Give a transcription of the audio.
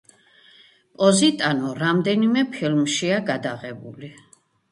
პოზიტანო რამდენიმე ფილმშია გადაღებული.